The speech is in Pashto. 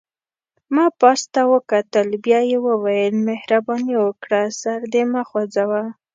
ما پاس ده ته وکتل، بیا یې وویل: مهرباني وکړه سر دې مه خوځوه.